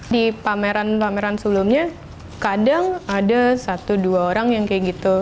di pameran pameran sebelumnya kadang ada satu dua orang yang kayak gitu